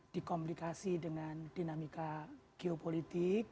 dikomplikasi dengan dinamika geopolitik